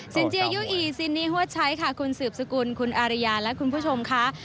เจียยู่อีซินนี่หัวใช้ค่ะคุณสืบสกุลคุณอาริยาและคุณผู้ชมค่ะ